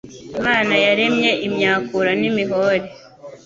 Imana yaremye imyakura n’imihore